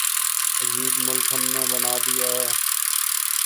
عجیب ملک ہم نے بنا دیا ہے۔